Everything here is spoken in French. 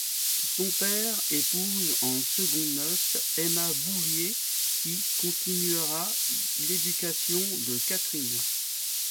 Son père épouse en secondes noces Emma Bouvier, qui continuera l'éducation de Catherine.